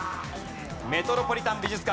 メトロポリタン美術館。